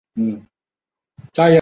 硫氰酸根存在键合异构体。